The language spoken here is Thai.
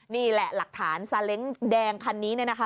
นี่แหละหลักฐานซาเล้งแดงคันนี้เนี่ยนะคะ